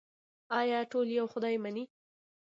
آیا ټول یو خدای مني؟